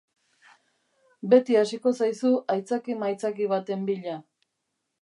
Beti hasiko zaizu aitzaki-maitzaki baten bila.